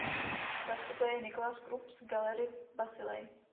Zastupuje ji Nicolas Krupp Gallery v Basileji.